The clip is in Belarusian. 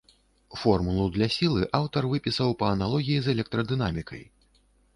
Формулу для сілы аўтар выпісаў па аналогіі з электрадынамікай.